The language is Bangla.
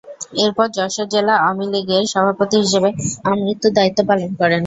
এর পর যশোর জেলা আওয়ামী লীগের সভাপতি হিসেবে আমৃত্যু দায়িত্ব পালন করেন।